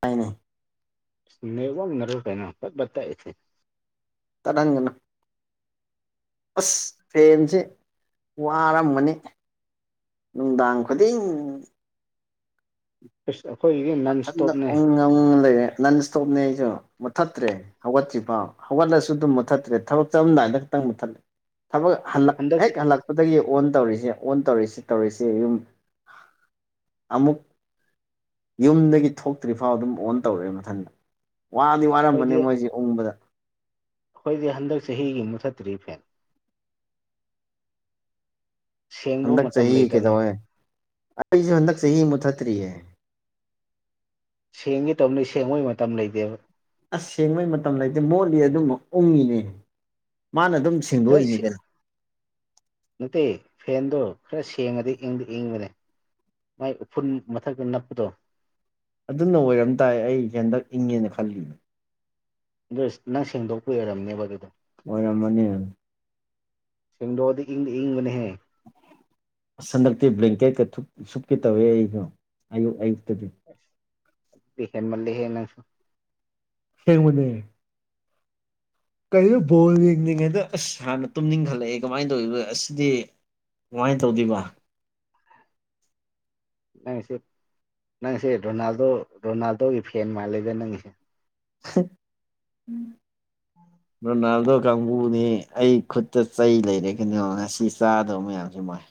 ꯇꯥꯏꯅꯦ ꯅꯦꯠ ꯋꯥꯛ ꯅꯔꫭ ꯀꯩꯅꯣ ꯕꯠ ꯕꯠ ꯇꯥꯠꯂꯤꯁꯦ ꯇꯥꯠꯂꯟꯒꯅꯨ ꯑꯁ ꯐꯦꯟꯁꯦ ꯋꯥꯔꯝꯃꯅꯤ ꯅꯨꯝꯗꯥꯡꯈꯨꯗꯤꯡ ꯁ ꯑꯩꯈꯣꯏꯒꯤ ꯃꯊꯟꯗ ꯎꯉ ꯎꯉꯒꯥ ꯂꯩꯔꯦ ꯅꯟ ꯏꯁꯇꯣꯞꯅꯦ ꯑꯩꯁꯨ ꯃꯨꯊꯠꯇ꯭ꯔꯦ ꯍꯧꯒꯠꯇꯔꯤꯕ ꯍꯧꯒꯠꯂꯁꯨ ꯑꯗꯨꯝ ꯃꯨꯊꯠꯇ꯭ꯔꯦ ꯊꯕꯛ ꯆꯠꯂꯝꯗꯥꯏꯗ ꯈꯠꯇꯥꯡ ꯃꯨꯠꯊꯠꯂꯦ ꯊꯕꯒ ꯍꯜꯂꯛ ꯍꯟꯗꯛ ꯍꯦꯛ ꯍꯜꯂꯛ ꯑꯗꯨꯗꯒꯤ ꯑꯣꯟ ꯇꯧꯔꯤꯁꯦ ꯑꯣꯟ ꯇꯧꯔꯤꯁꯤ ꯇꯧꯔꯤꯁ ꯌꯨꯝ ꯑꯃꯨꯛ ꯌꯨꯝꯗꯒꯤ ꯊꯣꯛꯇ꯭ꯔꯤꯐꯥꯎ ꯑꯗꯨꯝ ꯑꯣꯟ ꯇꯧꯔꯛꯑꯦ ꯃꯊꯟꯗꯥ ꯋꯥꯗꯤ ꯋꯥꯔꯝꯒꯅꯤ ꯑꯩꯈꯣꯏꯗꯤ ꯃꯣꯏꯁꯦ ꯎꯡꯕꯗ ꯑꯩꯈꯣꯏꯗꯤ ꯍꯟꯗꯛ ꯆꯍꯤꯒꯤ ꯑꯃꯨꯛꯊꯠꯇ꯭ꯔꯤ ꯐꯦꯟ [inaudible] ꯍꯟꯗꯛ ꯃꯇꯝ ꯆꯍꯤ ꯂꯩꯇꯕꯅꯤ ꯀꯩꯗꯧꯋꯦ ꯑꯩꯁꯨ ꯍꯟꯗꯛ ꯆꯍꯤ ꯃꯨꯠꯊꯠꯇ꯭ꯔꯤꯌꯦ ꯁꯦꯡꯒꯦ ꯇꯧꯕꯅꯤ ꯁꯦꯡꯕꯒꯤ ꯃꯇꯝ ꯂꯩꯇꯦꯕ ꯑꯁ ꯁꯦꯡꯕꯩ ꯃꯇꯝ ꯂꯩꯇꯦ ꯃꯣꯠꯂꯤ ꯑꯗꯨꯝ ꯎꯡꯉꯤꯅꯦ ꯃꯥꯅ ꯑꯗꯨꯝ ꯈꯔ ꯁꯦꯡꯗꯣꯛꯏꯅꯤ ꯀꯩꯅꯣ ꯅꯠꯇꯦ ꯐꯦꯟꯗꯣ ꯈꯔ ꯁꯦꯡꯉꯗꯤ ꯏꯪꯗꯤ ꯏꯪꯕꯅꯦ ꯃꯥꯏ ꯎꯐꯨꯟ ꯃꯊꯛꯇ ꯅꯞꯄꯗꯣ ꯑꯗꯨꯅ ꯑꯣꯏꯔꯝ ꯇꯥꯏ ꯑꯩ ꯍꯦꯟꯗꯛ ꯏꯪꯉꯦꯅ ꯈꯜꯂꯤꯅꯦ [unintelligible] ꯅꯪ ꯁꯦꯡꯗꯣꯛꯄꯒꯤ ꯑꫭꯏꯔꯝꯅꯦꯕ ꯑꯗꯨꯗꯣ ꯑꯣꯏꯔꯝꯃꯅꯤ ꯁꯦꯡꯗꯣꯛꯑꯗꯤ ꯏꯪꯗ ꯏꯪꯕꯅꯦꯍꯦ ꯑꯁ ꯍꯟꯗꯛꯇꯤ ꯕ꯭ꯂꯦꯡꯀꯦꯠꯀ ꯁꯨꯞꯀꯤ ꯇꯧꯋꯦ ꯑꯩꯩꯗꫭ ꯑꯌꯨꯛ ꯑꯌꯨꯛꯇꯗꯤ [unintelligible] ꯍꯦꯟꯃꯥꯜꯂꯦ ꯍꯦ ꯅꯪꯁꯨ ꯁꯦꯡꯕꯅꯦ [inaudible] ꯀꯩꯅꯣ ꯕꯣꯜ ꯌꯦꯡꯅꯤꯡꯉꯩꯗ ꯑꯁ ꯍꯥꯟꯅ ꯇꯨꯝꯅꯤꯡꯈꯠꯂꯛꯑꯦ ꯀꯃꯥꯏꯅ ꯇꯧꯏꯕ ꯑꯁ ꯁꯤꯗꯤ ꯀꯃꯥꯏꯅ ꯇꯧꯗꯣꯏꯕ ꯅꯪꯁꯦ ꯅꯪꯁꯦ ꯔꯣꯅꯥꯜꯗꯣ ꯔꯣꯅꯥꯜꯗꯣꯒꯤ ꯐꯦꯟ ꯃꯥꯜꯂꯦꯗ ꯅꯪꯁꯦ [unintelligible] [inaudible] ꯔꯣꯅꯥꯜꯗꯣ ꯀꯥꯡꯕꯨꯅꯤ ꯑꯩ ꯈꯨꯠꯇ ꯆꯩ ꯂꯩꯔꯦ ꯀꯩꯅꯣ ꯉꯁꯤ ꯆꯥꯗꯕ ꯃꯌꯥꯝꯁ ꯃꯣꯏ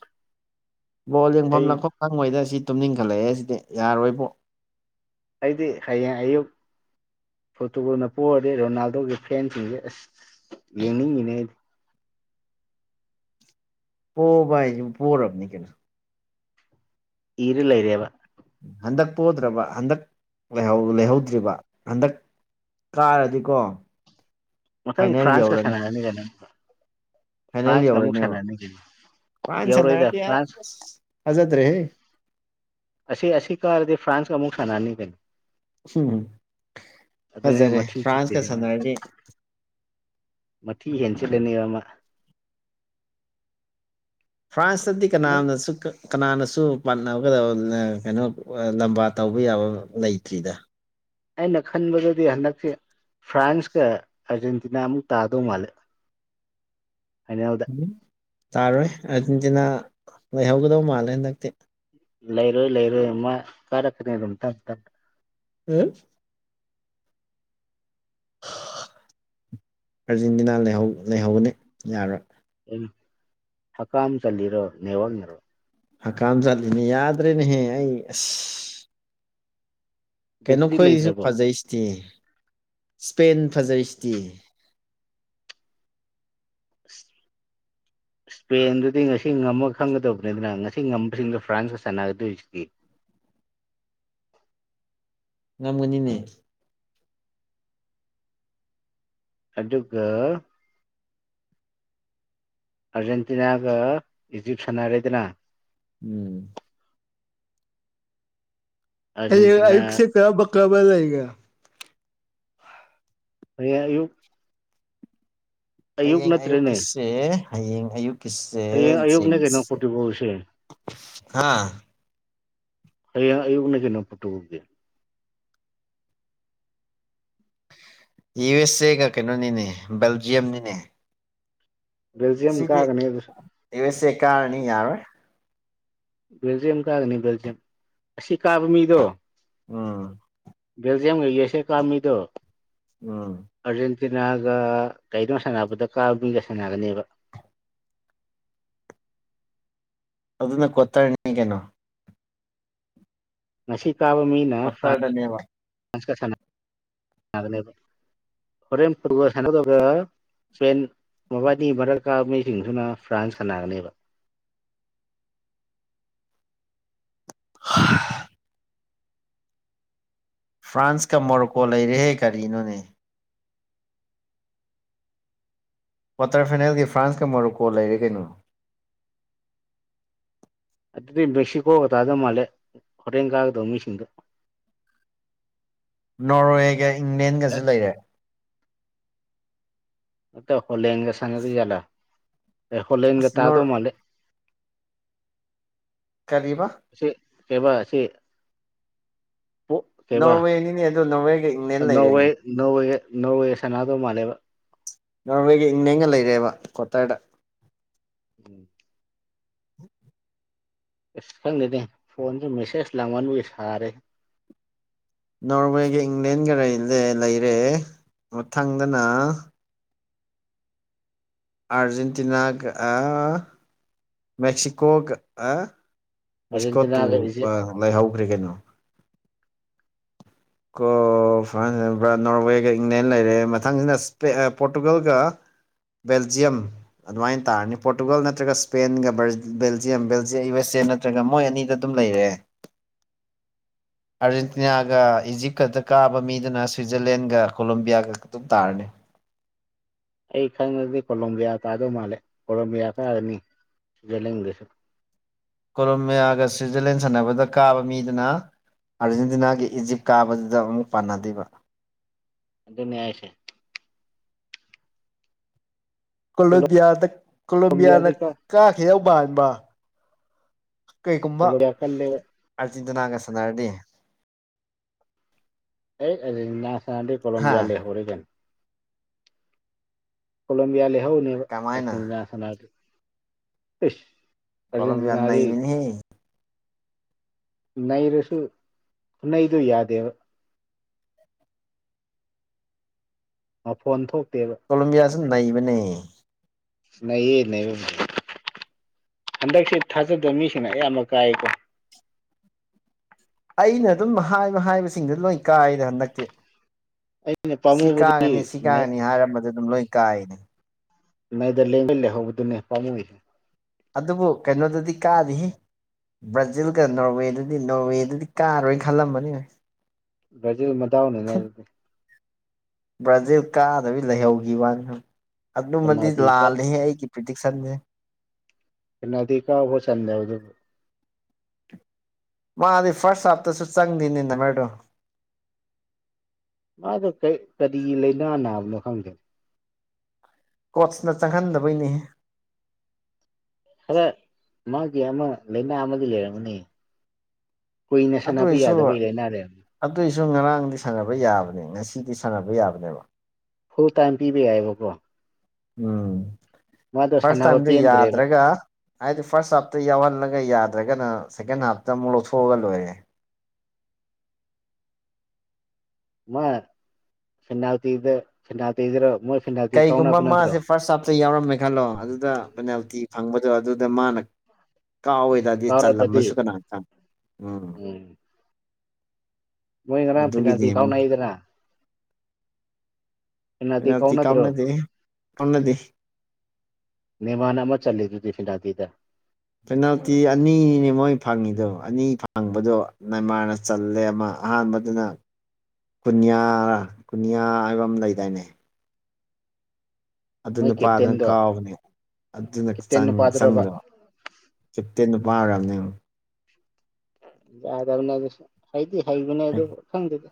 ꯕꯣꯜ ꯑꯩ ꯌꯦꯡꯐꯝ ꯂꯥꯛꯐꯝ ꯈꯪꯉꯣꯏꯗ ꯁꯤ ꯇꯨꯝꯅꯤꯡꯈꯠꯂꯛꯑꯦ ꯁꯤꯗꯤ ꯌꯥꯔꯣꯏꯕꯣ ꯑꯩꯗꯤ ꯍꯌꯦꯡ ꯑꯌꯨꯛ ꯄꯣꯔꯇꯨꯒꯜꯅ ꯄꯣꯔꯗꯤ ꯔꯣꯅꯥꯜꯗꯣꯒꯤ ꯐꯦꯟꯁꯤꯡꯁꯦ ꯑꯁ ꯌꯦꯡꯅꯤꯡꯉꯤꯅꯦ ꯑꯩꯗꯤ ꯄꯣꯕ ꯍꯥꯏꯖꯤꯕꯨ ꯄꯣꯔꯕꯅꯤ ꯀꯩꯅꯣ ꯏꯔ ꯂꯩꯔꯦꯕ ꯍꯟꯗꯛ ꯄꯣꯗ꯭ꯔꯕ ꯍꯟꯗꯛ ꯂꯩꯍꯧꯗ꯭ꯔꯤꯕ ꯍꯟꯗꯛ ꯀꯥꯔꯗꯤꯀꯣ ꯃꯊꯪ ꯐꯥꯏꯅꯦꯜ ꯐ꯭ꯔꯥꯟꯁꯀ ꯌꯧꯔꯅꯤ ꯁꯥꯟꯅ [unintelligible] ꯐꯥꯏꯅꯦꯜ ꯌꯧꯔꯅꯦꯕ ꯐ꯭ꯔꯥꯟ ꯌꯧꯔꯣꯏꯗ ꯁꯥꯟꯅꯔꯗꯤ ꯐ꯭ꯔꯥꯟꯁ ꯑꯁ ꯊꯥꯖꯗ꯭ꯔꯦꯍꯦ ꯑꯁꯤ ꯑꯁꯤ ꯀꯥꯔꯗꯤ ꯐ꯭ꯔꯥꯟꯁꯀ ꯑꯃꯨꯛ ꯁꯥꯟꯅꯅꯤ ꯀꯩꯅꯣ ꯎꯝ ꯑꯗꯨꯗꯅꯦ ꯐꯖꯔꯦ ꯃꯊꯤ ꯐ꯭ꯔꯥꯟꯁꯀ ꯆꯤꯠꯇꯣꯏꯖꯦ ꯃꯥꯅ ꯁꯥꯟꯅꯔꯗꯤ ꯃꯊꯤ ꯍꯦꯟ ꯆꯠꯂꯥꯅꯤꯕꯃꯥ ꯐ꯭ꯔꯥꯟꯁꯇꯗꯤ ꯀꯅꯥꯝꯅꯁꯨ ꯀꯅꯥꯅꯁꯨ ꯄꯥꯥꯟꯅꯕꯒꯗ ꯀꯩꯅꯣ ꯂꯝꯕꯥ ꯇꯧꯕ ꯌꯥꯕ ꯂꯩꯇ꯭ꯔꯤꯗ ꯑꯩꯅ ꯈꯟꯕꯗꯗꯤ ꯍꯟꯗꯛꯁꯤ ꯐ꯭ꯔꯥꯟꯁꯀ ꯑꯔꯖꯦꯟꯇꯤꯅꯥ ꯑꯃꯨꯛ ꯇꯥꯗꯧ ꯃꯥꯂꯦ ꯐꯥꯏꯅꯦꯜ [unintelligible] ꯇꯥꯔꯣꯏ ꯑꯥꯔꯖꯦꯟꯇꯤꯅꯥ ꯂꯩꯍꯧꯒꯗꯧ ꯃꯥꯜꯂꯦ ꯍꯟꯗꯛꯇꯤ ꯂꯩꯔꯣꯏ ꯂꯩꯔꯣꯏ ꯃꯥ ꯀꯥꯔꯛꯀꯅꯤ ꯑꯗꯨꯝ ꯇꯝ ꯎꯝ ꯑꯥꯔꯖꯦꯟꯇꯤꯅꯥ ꯂꯩꯍꯧ ꯂꯩꯍꯧꯒꯅꯤ ꯌꯥꯔꯣꯏ ꯍꯀꯥꯝ ꯆꯜꯂꯤꯔꯣ ꯅꯦꯠꯋꯥꯔꯛꯅꯔꯣ ꯍꯀꯥꯝ ꯆꯜꯂꯤꯅꯦ ꯌꯥꯗ꯭ꯔꯦꯅꯦꯍꯦ ꯑꯩ ꯑꯁ ꯕꯦꯇ꯭ꯔꯤ ꯀꯩꯅꯣꯈꯣꯏꯁꯨ ꯂꯩꯇ꯭ꯔꯕꯣ ꯐꯖꯩꯁꯤꯇꯦ ꯁ꯭ꯄꯦꯟ ꯐꯖꯩꯁꯤꯇꯦ ꯏꯁ꯭ꯄꯦꯟꯗꯨꯗꯤ ꯉꯁꯤ ꯉꯝꯃꯒ ꯈꯪꯒꯗꯕꯅꯤꯗꯅ ꯉꯁꯤ ꯉꯝꯕꯁꯤꯡꯗꯣ ꯐ꯭ꯔꯥꯟꯁꯀ ꯁꯥꯟꯅꯒꯗꯣꯏꯔꯤꯁꯤꯗꯤ ꯉꯝꯒꯅꯤꯅꯦ ꯑꯗꯨꯒ ꯑꯥꯔꯖꯦꯟꯇꯤꯅꯥꯒ ꯏꯖꯤꯞ ꯁꯥꯟꯅꯔꯦꯗꯅ ꯎꯝ ꯍꯌꯦꯡ ꯑꯥꯔꯖꯦꯟꯇꯤꯅꯥ ꯑꯌꯨꯛꯁꯦ ꯀꯔꯝꯕ ꯀꯔꯝꯕ ꯂꯩꯒꯦ ꯍꯌꯦꯡ ꯑꯌꯨꯛ ꯑꯌꯨꯛ ꯍꯌꯦꯡ ꯅꯠꯇ꯭ꯔꯦꯅꯦ ꯑꯌꯨꯛꯀꯤꯁꯦ ꯍꯌꯦꯡ ꯑꯌꯨꯛꯀꯤꯁꯦ ꯍꯌꯦꯡ ꯑꯌꯨꯛꯅꯦ ꯀꯩꯅꯣ ꯖꯦꯡꯁꯤ ꯄꯣꯔꯇꯨꯒꯜꯁꯦ ꯍꯥꯥ ꯍꯌꯦꯡ ꯑꯌꯨꯛꯅꯤ ꯀꯩꯅꯣ ꯄꯣꯔꯇꯨꯒꯜꯗꯤ ꯌꯨ ꯑꯦꯁ ꯑꯦꯒ ꯀꯩꯅꯣꯅꯤꯅꯦ ꯕꯦꯜꯖꯤꯌꯝꯅꯤꯅꯦ ꯕꯦꯜꯖꯤꯌꯝ ꯁꯤꯗꯤ ꯀꯥꯒꯅꯦ ꯑꯗꯨꯁꯨ ꯌꯨ ꯑꯦꯁ ꯑꯦ ꯀꯥꯔꯅꯤ ꯌꯥꯔꫭꯏ ꯕꯦꯜꯖꯤꯌꯝ ꯀꯥꯒꯅꯤ ꯕꯦꯜꯖꯤꯌꯝ ꯑꯁꯤ ꯀꯥꯕ ꯃꯤꯗꯣ ꯑꯥ ꯕꯦꯜꯖꯤꯌꯝꯒ ꯌꯨꯑꯦꯁꯦ ꯀꯥꯃꯤꯗꯣ [unintelligible] ꯑꯥꯔꯖꯦꯟꯇꯤꯅꯥꯒ ꯀꯩꯗꯧ ꯁꯥꯟꯅꯕꯗ ꯀꯥ ꯃꯤꯒ ꯁꯥꯟꯅꯒꯅꯦꯕ ꯑꯗꯨꯅ ꯀ꯭ꯋꯥꯇꯔꯅꯤ ꯀꯩꯅꯣ ꯉꯁꯤ ꯀꯥꯕ ꯃꯤꯅ ꯐ꯭ꯔꯥꯟ ꯀ꯭ꯋꯥꯇꯔꯗꯅꯦꯕ ꯐ꯭ꯔꯥꯟꯁꯀ ꯁꯥꯅ ꯁꯥꯅꯒꯅꯤꯕ ꯍꯣꯔꯦꯟ ꯐꯨꯠꯕꯣꯜ ꯁꯅ [unintelligible] ꯏꯁꯄꯦꯟ ꯃꯕꯥꯅꯤꯒꯤ ꯃꯔꯛ ꯀꯥꯕ ꯃꯤꯁꯤꯡꯗꯨꯅ ꯐ꯭ꯔꯥꯟꯁ ꯁꯥꯟꯅꯥꯒꯅꯤꯕ [unintelligible] ꯐ꯭ꯔꯥꯟꯁꯀ ꯃꯣꯔꯣꯀꯣ ꯂꯩꯔꯦꯍꯦ ꯀꯔꯤꯅꯣꯅꯦ ꯀ꯭ꯋꯥꯇꯔ ꯐꯥꯏꯅꯦꯜꯒꯤ ꯐ꯭ꯔꯥꯟꯁꯀ ꯃꯣꯔꯣꯀꯣ ꯂꯩꯔꯦ ꯀꯩꯅꯣ ꯑꯗꯨꯗꯤ ꯃꯦꯛꯁꯤꯀꯣꯒ ꯇꯥꯗꯧ ꯃꯥꯜꯂꯦ ꯍꯣꯔꯦꯟ ꯀꯥꯒꯗꯧ ꯃꯤꯁꯤꯡꯗꯣ ꯅꯣꯔꯋꯦꯒ ꯑꯦ ꯏꯪꯂꯦꯟꯒꯁꯨ ꯂꯩꯔꯦ ꯑ ꯍꯣꯂꯦꯟꯒꯦ ꯁꯥꯟꯅꯗꯣꯏ ꯖꯥꯠꯂ ꯑꯦ ꯍꯣꯂꯦꯟꯒꯦ ꯑꯁ ꯇꯥꯗꯣ ꯅꯣꯔ ꯃꯥꯂꯦ ꯀꯔꯤꯕ ꯁꯤ ꯀꯩꯕ ꯁꯤ ꯄꯣꯛ ꯀꯩꯕ ꯅꯣꯔꯋꯦꯅꯤꯅꯦ ꯑꯗꯨ ꯅꯣꯔꯋꯦꯒ ꯏꯪꯂꯦꯟ ꯂꯩꯔꯦꯅꯦ ꯅꯧꯋꯦ ꯅꯧꯋꯦ ꯁꯅꯥꯗꯨ ꯃꯥꯜꯂꯦꯕ [unintelligible] ꯂꯩꯔꯦꯕ ꯀ꯭ꯋꯥꯇꯔꯗ ꯎꯝ [inaudible] ꯏꯁ ꯈꯪꯗꯦꯗ ꯐꯣꯟꯁꯤ ꯃꯦꯁꯦꯖ ꯂꯥꯡꯃꯟꯕꯒꯤ ꯁꯥꯔꯦ ꯅꯣꯔꯋꯦꯒ ꯏꯪꯂꯦꯟꯒ ꯂꯩ ꯂꯩꯔꯦ ꯃꯊꯪꯗꯅ ꯑꯥꯔꯖꯦꯟꯇꯤꯅꯥ ꯀ ꯑ ꯃꯦꯛꯁꯤꯀꯣ ꯀ ꯑ ꯑꯥꯔꯖꯦꯟꯇꯤꯅꯥꯒ ꯕꯤꯁꯀꯣꯠꯇꯨꯄꯥ ꯏꯖꯤꯞ ꯂꯩꯍꯧꯈ꯭ꯔꯦ ꯀꯩꯅꯣ ꯀꯣ ꯐ꯭ꯔꯥꯟꯁ ꯂꯩꯕ꯭ꯔꯥ ꯅꯣꯔꯋꯦꯒ ꯏꯪꯂꯦꯟ ꯂꯩꯔꯦ ꯃꯊꯪꯁꯤꯅ ꯁꯄꯦ ꯄꯣꯔꯇꯨꯒꯜꯒ ꯕꯦꯜꯖꯤꯌꯝ ꯑꯗꯨꯃꯥꯏꯟ ꯇꯥꯔꯅꯤ ꯄꯣꯔꯇꯨꯒꯜ ꯅꯠꯇ꯭ꯔꯒ ꯏꯁꯄꯦꯟꯒ ꯕꯔ ꯕꯦꯜꯖꯤꯌꯝ ꯕꯦꯜꯖ ꯌꯨ ꯑꯦꯁ ꯑꯦ ꯅꯠ ꯅꯠꯇ꯭ꯔꯒ ꯃꯣꯏ ꯑꯅꯤꯗ ꯑꯗꯨꯝ ꯂꯩꯔꯦ ꯑꯥꯔꯖꯦꯟꯇꯤꯅꯥꯒ ꯏꯖꯤꯞꯀꯗ ꯀꯥꯕ ꯃꯤꯗꯨꯅ ꯁ꯭ꯋꯤꯖꯔꯂꯦꯟꯒ ꯀꯣꯂꯣꯝꯕꯤꯌꯥꯒ ꯑꯗꯨꯝ ꯇꯥꯔꯅꯤ ꯑꯩ ꯈꯪꯉꯗꯤ ꯀꯣꯂꯣꯝꯕꯤꯌꯥ ꯇꯥꯗꯧ ꯃꯥꯜꯂꯦ ꯀꯣꯂꯣꯕꯤꯌꯥ ꯀꯥꯔꯃꯤ ꯁ꯭ꯋꯤꯠꯖꯔꯂꯦꯟꯒꯁꯨ ꯀꯣꯂꯣꯝꯕꯤꯌꯥꯒ ꯁ꯭ꯋꯤꯠꯖꯔꯂꯦꯟ ꯁꯥꯟꯅꯕꯗ ꯀꯥꯕ ꯃꯤꯗꯨꯅ ꯑꯥꯔꯖꯦꯟꯇꯤꯅꯥꯒꯤ ꯏꯖꯤꯞ ꯀꯥꯕꯗꯨꯗ ꯑꯃꯨꯛ ꯄꯥꯟꯅꯗꯣꯏꯕ ꯑꯗꯨꯟ ꯅꯩꯅ꯭ꯥꯏꯁꯦ ꯀꯣꯂꯝꯣꯕꯤꯌꯥꯗ ꯀꯣꯂꯣꯕꯤꯌꯥꯗ ꯀꯣꯂꯣꯝꯕꯤꯌꯥꯗꯤ ꯀꯥꯈꯤ ꯌꯧꯕ ꯍꯥꯏꯕ ꯀꯩꯔꯤꯒꯨꯝꯕ ꯀꯣꯂꯣꯝꯕꯤꯌꯥ ꯀꯜꯂꯦ ꯑꯥꯔꯖꯦꯟꯇꯤꯅꯥꯒ ꯁꯥꯟꯅꯔꯗꯤ ꯑꯦ ꯅ ꯁꯥꯟꯅꯗꯤ ꯍꯥ ꯀꯣꯕꯤꯌꯥ ꯂ ꯂꯩ ꯍꯣꯔꯒꯅ ꯀꯂꯦꯝꯕꯤꯌꯥ ꯂ ꯍꯎꯅꯦ ꯀꯃꯥꯏꯅ ꯄꯆꯤꯟꯅꯥꯁꯅ ꯀꯂꯝ ꯌꯥꯅꯃꯤ ꯍ ꯅꯩꯔꯁꯨ ꯅꯩꯗꯨ ꯌꯥꯗꯕ ꯑ ꯐꯣꯟ ꯊꯣꯛꯇꯦꯕ ꯀꯣꯂꯝꯣꯕꯤꯌꯥꯁꯨ ꯅꯩꯕꯅꯦ ꯅꯩꯌꯦ ꯅꯕ ꯍꯟꯗꯛꯁ ꯊꯥꯖꯗꯕ ꯃꯤꯁꯤꯡꯅ ꯑꯌꯥꯝꯕ ꯀꯥꯏꯌꯦꯀꯣ ꯑꯩꯅ ꯑꯗꯨꯝ ꯃꯍꯥꯏ ꯃꯍꯥꯏꯕꯁꯤꯡꯗꯨ ꯂꯣꯏ ꯀꯥꯏꯔꯦ ꯍꯟꯗꯛꯇꯤ ꯑꯩꯅ ꯁꯤ ꯄꯥꯝꯃꯨꯕꯗꯤ ꯀꯥꯒꯅꯤ ꯁꯤ ꯀꯥꯒꯅꯤ ꯍꯥꯏꯔꯝꯕꯗ ꯑꯗꯨꯝ ꯂꯣꯏ ꯀꯥꯏꯅꯦ ꯅꯩꯗ ꯂꯦꯡꯃꯤ ꯂꯩꯍꯧꯕꯗꯨꯅꯦ ꯄꯥꯃꯨꯏꯁꯦ ꯑꯗꯨꯕꯨ ꯀꯩꯅꯣꯗꯨꯗꯤ ꯀꯥꯔꯤ ꯕ꯭ꯔꯥꯖꯤꯜꯒ ꯅꯣꯔꯋꯦꯗꯨꯗꯤ ꯅꯣꯔꯋꯦꯗꯨꯗꯤ ꯀꯥꯔꯣꯏꯅ ꯈꯜꯂꯝꯕꯅꯤ ꯍꯣꯏ ꯕꯥꯖꯤꯜ ꯃꯗꯥꯎꯅꯅꯦꯗꯤ ꯕ꯭ꯔꯥꯖꯤꯜ ꯀꯥꯗꯕꯤ ꯂꯩꯍꯧꯈꯤꯕꯅꯤ ꯑꯗꯨꯃꯗꯤ ꯄꯦꯅꯥꯜꯇꯤ ꯀꯥ ꯂꯥꯜꯂꯦꯍꯦ ꯑꯩꯒꯤ ꯄꯤꯇꯤꯁꯦ ꯅꯗꯤ ꯀꯕꯨ ꯆꯟꯗꯦ ꯃꯥꯗꯤ ꯐꯁ ꯍꯥꯐꯇꯁꯨ ꯆꯪꯗꯤꯅꯤꯅ ꯃꯦꯗꯣ ꯃꯥꯗꯣ ꯀꯔꯤ ꯂꯥꯏꯅꯥ ꯅꯥꯕꯅꯣ ꯈꯪꯗꯦꯅ ꯀꯣꯆꯅ ꯆꯪꯍꯟꯗꯕꯩꯅꯤ ꯈꯔ ꯃꯥꯒꯤ ꯑꯃ ꯂꯩꯥꯏꯅꯥ ꯑꯃꯒꯤ ꯂꯩꯔꯝꯒꯅꯤ ꯀꯨꯏꯅ ꯁꯥꯟꯅꯕ ꯑꯗꯨꯏꯁꯨ ꯌꯥꯗꯕ ꯏꯔꯦꯥꯏꯅꯥꯔꯦ ꯑꯗꯨꯏꯁꯨ ꯉꯔꯥꯡꯗꯤ ꯁꯥꯟꯅꯕ ꯌꯥꯕꯅꯦ ꯉꯁꯤꯗꯤ ꯁꯥꯟꯅꯕ ꯌꯥꯕꯅꯦꯕ ꯐꯨꯜ ꯇꯥꯏꯝ ꯄꯤꯕ ꯌꯥꯏꯑꯕꯀꯣ ꯎꯝ ꯃꯥꯗꯣ ꯐꯥꯔꯁ ꯁꯥꯟꯅꯕ ꯇꯥꯏꯝꯗ ꯄꯦꯟꯗ꯭ꯔꯦꯕ ꯌꯥꯗ꯭ꯔꯒ ꯍꯥꯏꯗꯤ ꯐꯥꯔꯁ ꯍꯥꯞꯇ ꯌꯥꯎꯍꯜꯂꯒ ꯌꯥꯗ꯭ꯔꯒꯅ ꯁꯦꯀꯦꯟ ꯍꯥꯞꯇ ꯑꯃꯨꯛ ꯂꯧꯊꯣꯛꯑꯒ ꯂꯣꯏꯔꯦ ꯃ ꯁꯅꯎꯇꯗ ꯁꯅꯥꯎꯇꯗ꯭ꯔꯣ ꯃ ꯀꯩꯒꯨꯝꯕ ꯃꯥꯁꯦ ꯐꯥꯔꯁ ꯑꯇꯩ ꯌꯥꯎꯔꯝꯃꯦ ꯈꯜꯂꯣ ꯑꯗꯨꯗ ꯄꯦꯅꯥꯜꯇꯤ ꯐꯪꯕꯗꯣ ꯑꯗꯨꯗ ꯃꯥꯅ ꯀꯥꯎꯋꯦ ꯑꯗꯨꯗꯗꯤ ꯀꯥꯎꯔꯕꯗꯤ ꯆꯜꯂꯝꯃꯁꯨ ꯀꯅꯥꯇ ꯎꯝ ꯃꯣꯏ ꯉꯔꯥꯡ ꯑꯗꯨꯒꯤꯗꯤ ꯐꯤꯅꯥꯜꯇꯤ ꯀꯥꯎꯅꯩꯗꯅ ꯄꯦꯅꯥꯜꯇꯤ ꯅ ꯇ ꯀꯥꯎꯅꯗ꯭ꯔꯣ ꯀꯝꯅꯗ ꯀꯅꯗꯤ ꯅꯦꯃꯥꯟ ꯑꯃ ꯆꯠꯂꯤꯗꯨꯗꯤ ꯐꯤꯅꯥꯇꯤꯗ ꯄꯦꯅꯥꯜꯇꯤ ꯑꯅꯤꯅꯦ ꯃꯣꯏ ꯐꯪꯉꯤꯗꯣ ꯑꯅꯤ ꯐꯪꯕꯗꯣꯃꯥꯟꯅ ꯆꯜꯂꯦ ꯑꯃ ꯑꯍꯥꯟꯕꯗꯨꯅ ꯀꯟꯌꯥ ꯀꯨꯟꯌꯥ ꯍꯥꯏꯕ ꯑꯃ ꯂꯩꯗꯥꯏꯅꯦ ꯑꯗꯨ ꯃꯣꯏ ꯅꯨꯄꯥꯗꯨꯅ ꯀꯦꯞꯇꯦꯟꯗꯣ ꯀꯥꯎꯕꯅꯦ ꯑꯗꯨꯅꯪ ꯀꯦꯞꯇꯦꯟ ꯅꯨꯄꯥꯗꯨꯔꯕ ꯆꯪꯗꯕ ꯀꯦꯞꯇꯦꯟ ꯅꯨꯄꯥ ꯑꯣꯏꯔꯔꯕꯅꯦ ꯌꯥꯗꯕꯅꯦ ꯑꯗꯨ ꯍꯩꯗꯤ ꯍꯩꯕꯅꯦ ꯑꯗꯨ ꯐꯪꯗꯗꯤ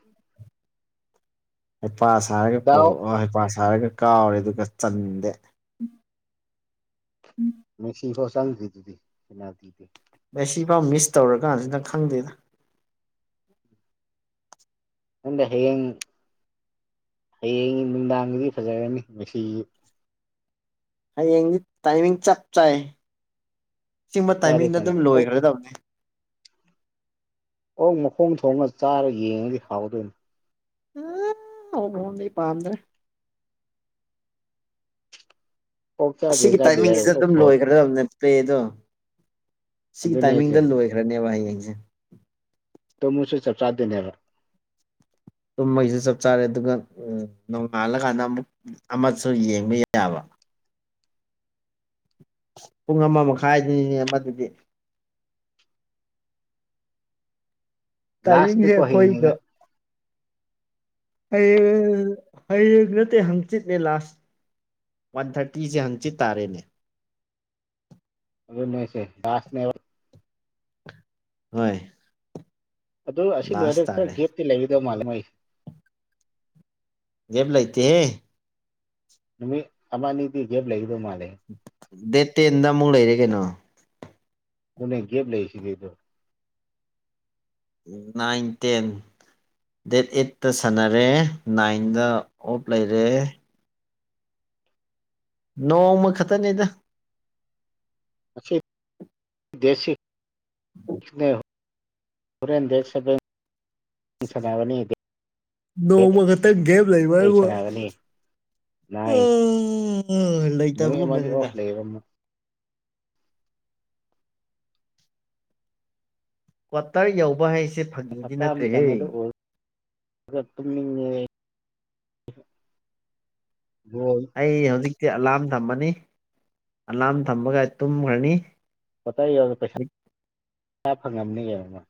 ꯍꯩꯄꯥ ꯁꯥ ꯍꯥꯏꯔꯒ ꯀꯣꯛ ꯗꯥꯎ ꯍꯩꯄꯥ ꯁꯥ ꯍꯥꯏꯔꯒ ꯀꯥꯎꯔꯦ ꯑꯗꯨꯒ ꯆꯟꯗꯦ ꯃꯦꯛꯁꯤ ꯐꯣ ꯁꯥꯟꯅ ꯊꯤꯗꯤꯅꯥꯗꯤ ꯑ ꯁꯤꯐꯥꯎ ꯃꯤꯁ ꯇꯧꯔꯀꯥꯟꯁꯤ ꯅꯪ ꯈꯪꯗꯦꯗ ꯅꯪꯗ ꯍꯌꯦꯡ ꯍꯌꯦꯡ ꯅꯨꯡꯗꯥꯡꯒꯤꯗꯤ ꯐꯖꯔꯅꯤ ꯉꯁꯤ ꯍꯌꯦꯡꯗꯤ ꯇꯥꯏꯃꯤꯡ ꯆꯞ ꯆꯥꯏ ꯑꯁꯤꯤꯡꯕ ꯆꯞ ꯆꯥꯔꯦ ꯇꯥꯏꯃꯤꯡꯗ ꯀꯩꯅꯣ ꯑꯗꯨꯝ ꯑꯣꯛ ꯂꯣꯏꯈ꯭ꯔꯗꯕꯅꯦ ꯑꯣꯪ ꯃꯈꯣꯡ ꯊꯣꯡꯒ ꯆꯥꯔ ꯌꯦꯡꯉꯗꯤ ꯍꯥꯎꯗꯣꯏꯅꯤ ꯑ ꯍ ꯍꯄꯥꯟ꯭ꯔꯦ ꯑꯣꯛ ꯆꯥꯗꯦ ꯑꯁꯤꯒꯤ ꯆꯥꯗꯦ ꯇꯥꯏꯃꯤꯡꯁꯤꯁꯨ ꯍꯥꯏꯔꯒ ꯑꯣꯛ ꯑꯗꯨꯝ ꯈꯣꯛ ꯂꯣꯏꯒ꯭ꯔꯗꯕꯅꯤ ꯄ꯭ꯂꯦꯗꯣ ꯁꯤꯒꯤ ꯑꯗꯨꯅꯦ ꯑꯩꯁꯦ ꯇꯥꯏꯃꯤꯡꯗ ꯂꯣꯏꯈ꯭ꯔꯅꯦꯕ ꯍꯌꯦꯡꯁꯦ ꯇ ꯃ ꯁ ꯆ ꯆꯗꯟ ꯍꯔꯕ ꯇꯨꯝꯕꯩꯁꯨ ꯆꯞ ꯆꯥꯔꯦ ꯑꯗꯨꯒ ꯎꯝ ꯅꯣꯡꯉꯥꯜꯂꯀꯥꯟꯗ ꯑꯃꯨꯛ ꯑꯃꯁꯨ ꯌꯦꯡꯕ ꯌꯥꯕ [inaudible] [inaudible] ꯄꯨꯡ ꯑꯃ ꯃꯈꯥꯏꯗꯨꯅꯤꯅꯦ ꯃꯗꯨꯗꯤ ꯂꯥꯁꯥꯁ ꯇꯥꯏꯃꯤꯡꯁꯦ ꯀ ꯑꯩꯈꯣꯏꯒ ꯍꯉ ꯑꯩ ꯍ ꯅꯠꯇꯦ ꯍꯪ ꯆꯤꯠꯂ ꯂꯥꯁ ꯋꯥꯟ ꯊꯥꯔꯇꯤꯁꯦ ꯍꯪꯆꯤꯠ ꯇꯥꯔꯦꯅꯦ ꯑꯗꯨꯁꯦꯅꯦ ꯍꯣꯏ ꯑꯗꯣ ꯑꯁꯤ ꯂꯥꯁ ꯂꯣꯏꯔꯒ ꯇꯥꯔꯦ ꯈꯔ ꯒꯦꯞꯇꯤ ꯂꯩꯒꯗꯧ ꯃꯥꯜꯂꯦ ꯃꯩꯁꯦ ꯦꯕ ꯂꯩꯇꯦꯦ ꯅꯃꯤ ꯑꯃꯅꯤꯗꯤꯤ ꯦꯕ ꯂꯩꯥꯛꯗꯣ ꯃꯥꯅꯦ ꯗꯦ ꯇꯦꯟꯗ ꯑꯃꯨꯛ ꯂꯩꯔꯦ ꯀꯩꯅꯣ ꯅꯅꯦ ꯦꯞ ꯂꯩ ꯁꯤꯗꯗꯣ ꯅꯥꯏꯟ ꯇꯦꯟ ꯗꯦꯠ ꯑꯩꯠꯇ ꯁꯥꯟꯅꯔꯦ ꯅꯥꯏꯟꯗ ꯑꯣꯞ ꯂꯩꯔꯦ ꯅꯣꯡꯃ ꯈꯛꯇꯅꯦꯗ ꯍꯦꯟ ꯆꯅꯥꯕꯅꯦꯦ ꯅꯣꯡꯃ ꯈꯛꯇꯪ ꯒꯦꯞ ꯂꯩꯕ ꯑꯩꯠ ꯍꯥꯏꯕꯨ ꯁꯥꯟꯅꯒꯅꯤ ꯅꯥꯏꯟ ꯎꯝ ꯅꯨꯃꯤꯠ ꯑꯃꯗꯤ ꯂꯩꯇꯕꯒꯨꯝꯕꯅꯤꯗ ꯑꯣꯐ ꯂꯩꯌꯦꯕ ꯑꯃꯨꯛ ꯀ꯭ꯋꯥꯇꯔ ꯌꯎꯕ ꯍꯥꯏꯁꯦ ꯐꯪꯕꯗꯤ ꯅꯠꯇ꯭ꯔꯦꯍꯦ ꯇꯃꯤ ꯎꯝ ꯑꯩ ꯍꯧꯖꯤꯛꯇꯤ ꯑꯂꯥꯝ ꯊꯝꯃꯅꯤ ꯑꯂꯥꯝ ꯊꯝꯃꯒ ꯇꯨꯝꯈ꯭ꯔꯅꯤ ꯍꯇ ꯌꯧꯔ ꯄꯩꯁꯥ ꯄꯩꯁꯥ ꯐꯪꯉꯝꯅꯤ ꯀꯕꯃ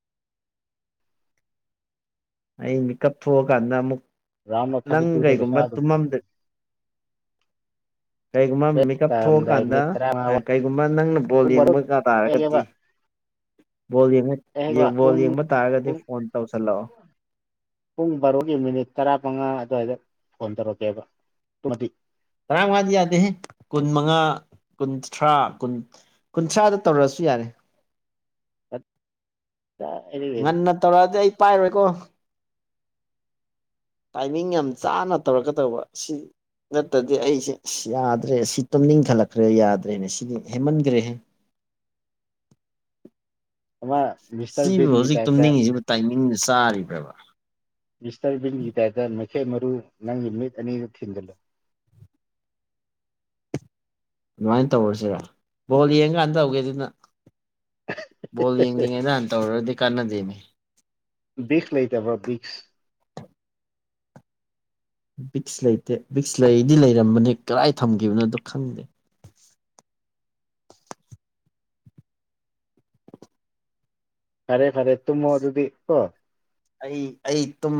ꯑꯩ ꯃꯤ ꯀꯊꯣꯛ ꯀꯥꯟꯗ ꯔꯝꯅ ꯊꯥꯔꯗꯤ ꯇꯨꯗ ꯄꯩꯁꯥ ꯑꯗꯨ ꯐꯔꯦ ꯀꯩꯒꯨꯝꯕ ꯃꯦꯀꯞ ꯊꯣꯛꯑꯀꯥꯟꯗ ꯇꯔꯥꯃꯉꯥ ꯀꯩꯒꯨꯝꯕ ꯅꯪꯅ ꯕꯣꯜ ꯄꯨꯡ ꯕꯥꯔꯣ ꯌꯦꯡꯕ ꯇꯥꯔꯒꯗꯤ [inaudible] ꯕꯣꯜ ꯌꯦꯡꯕ ꯑꯩꯕ ꯕꯣꯜ ꯄꯨꯡ ꯌꯦꯡꯕ ꯄꯨꯡ ꯇꯥꯔꯒꯗꯤ ꯐꯣꯟ ꯇꯧꯁꯜꯂꯛꯑꯣ ꯄꯨꯡ ꯕꯥꯔꯣꯒꯤ ꯃꯤꯅꯤꯠ ꯇꯔꯥ ꯃꯉꯥ ꯑꯗꯨꯋꯥꯏꯗ ꯐꯣꯟ ꯇꯧꯔꯛꯀꯦꯕ ꯇꯔꯥꯃꯉꯥꯗꯤ ꯌꯥꯗꯦ ꯀꯨꯟ ꯃꯉꯥ ꯀꯨꯟꯊ꯭ꯔꯥ ꯀꯨꯟ ꯀꯨꯟꯊ꯭ꯔꯥꯗ ꯇꯧꯔꯛꯑꯁꯨ ꯌꯥꯔꯦ ꯀ ꯉꯟꯅ ꯇꯧꯔꯛꯑꯗꯤ ꯑꯩ ꯄꯥꯏꯔꯣꯏꯀꯣ ꯇꯥꯏꯃꯤꯡ ꯌꯥꯝ ꯆꯥꯅ ꯇꯧꯔꯛꯀꯗꯧꯕ ꯁꯤ ꯅꯠꯇꯗꯤ ꯑꯩꯁꯦ ꯌꯥꯗ꯭ꯔꯦ ꯁꯤ ꯇꯝꯅꯤꯡꯈꯠꯂꯛꯈ꯭ꯔꯦ ꯌꯥꯗ꯭ꯔꯦꯅꯦ ꯁꯤꯗꯤ ꯍꯦꯃꯟꯈ꯭ꯔꯦꯍ ꯑꯃ ꯃꯤꯁꯇꯔ ꯁꯤꯕꯨ ꯕꯤꯟꯒꯤ ꯍꯧꯖꯤꯛ ꯇꯥꯏꯞꯇ ꯇꯨꯝꯅꯤꯡꯉꯤꯁꯤꯕꯨ ꯇꯥꯏꯃꯤꯡꯗꯨ ꯆꯥꯔꯤꯕ꯭ꯔꯕ ꯃꯤꯁꯇꯔꯕꯤꯟꯒꯤꯗꯥꯥꯏꯗ ꯃꯩꯈꯦꯠ ꯃꯔꯨ ꯅꯪꯒꯤ ꯃꯤꯠ ꯑꯅꯤꯗꯨ ꯊꯤꯟꯒꯜꯂꯨ ꯑꯗꯨꯃꯥꯏꯅ ꯇꯧꯔꯁꯤꯔ ꯕꯣꯜ ꯌꯦꯡꯀꯥꯟꯗ ꯇꯧꯒꯦ ꯑꯗꯨꯅ ꯕꯣꯜ ꯌꯦꯡꯗ꯭ꯉꯩꯗꯥꯟ ꯇꯧꯔꯨꯔꯗꯤ ꯀꯥꯟꯅꯗꯣꯏꯅꯦ ꯕꯤꯁ ꯂꯩꯇꯕ꯭ꯔꯣ ꯕꯤꯁ ꯕꯤꯛꯁ ꯂꯩꯇꯦ ꯕꯤꯛꯁ ꯂꯩꯗꯤ ꯂꯩꯔꯝꯕꯅꯦ ꯀꯗꯥꯥꯏ ꯊꯝꯈꯤꯕꯅꯣꯗꯣ ꯈꯪꯗꯦ ꯈꯔꯦ ꯈꯔꯦ ꯇꯨꯝꯃꯣ ꯑꯗꯨꯗꯤ ꯀꯣ ꯑꯩ ꯑꯩ ꯇꯨꯝ